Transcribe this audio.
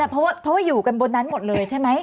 เพราะว่าอยู่กันบนนั้นหมดเลยใช่ไหม